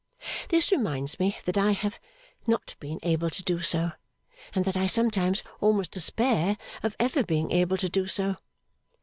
This reminds me that I have not been able to do so, and that I sometimes almost despair of ever being able to do so.